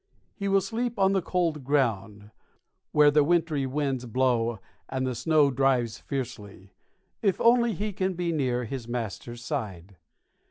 He will sleep on the cold ground, where the wintry winds blow and the snow drives fiercely, if only he can be near his master's side.